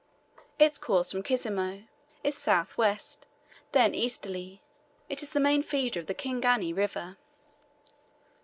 Its course from Kisemo is south west, then easterly; it is the main feeder of the Kingani River.